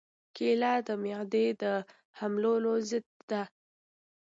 کېله د معدې د حملو ضد ده.